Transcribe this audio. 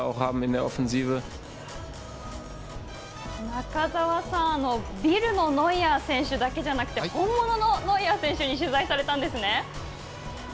中澤さん、ビルのノイアー選手だけじゃなくて、本物のノイアー選手に取材されたんですね？